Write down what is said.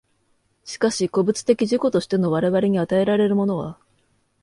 しかし個物的自己としての我々に与えられるものは、